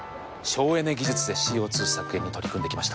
省エネ技術でＣＯ２削減に取り組んできました。